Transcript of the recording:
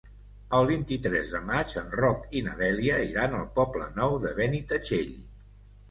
El vint-i-tres de maig en Roc i na Dèlia iran al Poble Nou de Benitatxell.